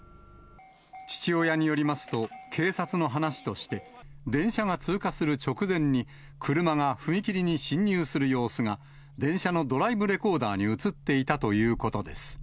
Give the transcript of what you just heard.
父親によりますと、警察の話として、電車が通過する直前に、車が踏切に進入する様子が、電車のドライブレコーダーに写っていたということです。